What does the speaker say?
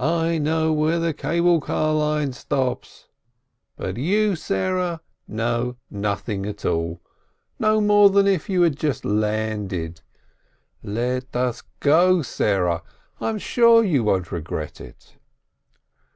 I know where the cable car line stops. But you, Sarah, know nothing at all, no more than if you had just landed. Let us go, Sarah, I am sure you won't regret it!"